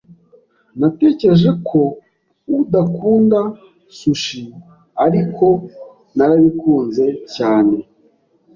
Natekereje ko udakunda sushi, ariko narabikunze cyane.